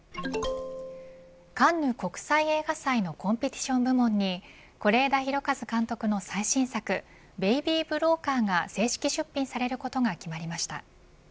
カンヌ国際映画祭のコンペティション部門に是枝裕和監督の最新作ベイビー・ブローカーが正式出品されることが決まりました。